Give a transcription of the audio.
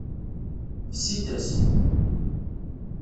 Fsit-as.